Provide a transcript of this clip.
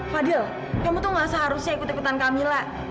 fadil kamu tuh gak seharusnya ikut ikutan kamila